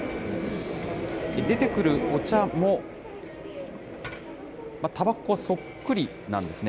出てくるお茶も、たばこそっくりなんですね。